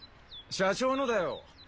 社長のだよ。